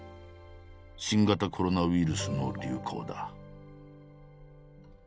新型コロナウイルスの流行だ。